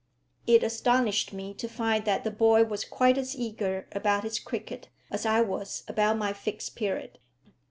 It astonished me to find that the boy was quite as eager about his cricket as I was about my Fixed Period.